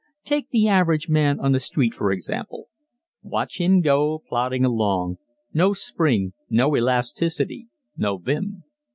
Take the average man on the street for example. Watch him go plodding along no spring, no elasticity, no vim.